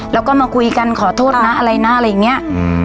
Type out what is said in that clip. แล้วก็มาคุยกันขอโทษนะอะไรนะอะไรอย่างเงี้ยอืม